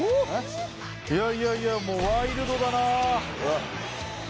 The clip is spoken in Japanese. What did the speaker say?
いやいやもうワイルドだな。